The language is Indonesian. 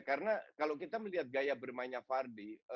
karena kalau kita melihat gaya bermainnya vardy